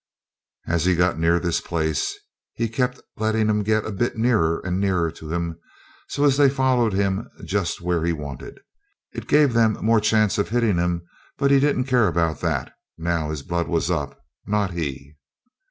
As he got near this place he kept lettin' 'em git a bit nearer and nearer to him, so as they'd follow him up just where he wanted. It gave them more chance of hitting him, but he didn't care about that, now his blood was up not he.